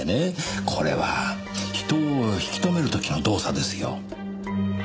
これは人を引き留める時の動作ですよ。